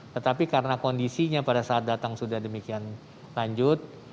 tetapi karena kondisinya pada saat datang sudah demikian lanjut